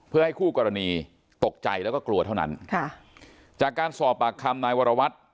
เพื่อให้คู่กรณีตกใจแล้วก็กลัวเท่านั้นค่ะจากการสอบปากคำนายวรวัตร